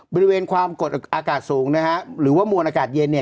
บริเวณความกดอากาศสูงนะฮะหรือว่ามวลอากาศเย็นเนี่ย